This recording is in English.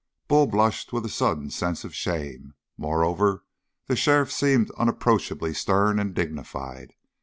Bull blushed with a sudden sense of shame. Moreover, the sheriff seemed unapproachably stern and dignified.